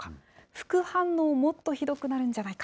副反応もっとひどくなるんじゃないか。